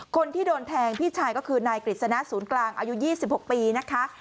คนที่โดนแทงพี่ชายก็คือนายกฤษณะศูนย์กลางอายุ๒๖ปีนะคะ